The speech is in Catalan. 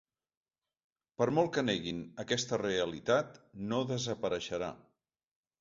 Per molt que neguin aquesta realitat, no desapareixerà.